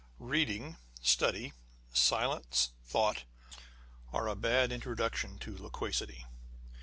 Beading, study, silence, thought, are a bad introduction to loquacity.